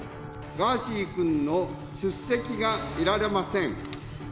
ガーシー君の出席が得られません。